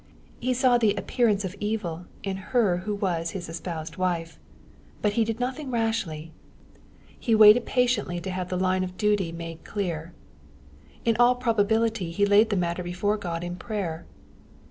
He saw the " appear ance of evil" in her who was his espoused wife. But he did nothing rashly. He waited patiently to have the 6 EXPOSITORT THOnGHT& line of duty made clear. In all probability he laid the matter before Qod in prayer.